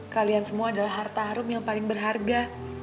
kalian semua adalah harta harum yang paling berharga